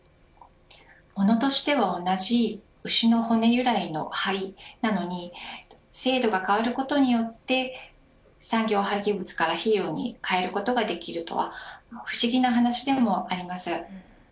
ものとしては同じ牛の骨由来の灰なのに制度が変わることによって産業廃棄物から肥料に変えることができるとは不思議な話でもあります。